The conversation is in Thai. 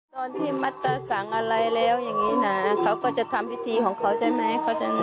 ตอนที่มัตตาสั่งอะไรแล้วอย่างนี้นะเขาก็จะทำพิธีของเขาใช่ไหม